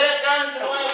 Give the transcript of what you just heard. siapa lagi di rumah ini